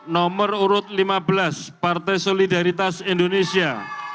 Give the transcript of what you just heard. nomor urut lima belas partai solidaritas indonesia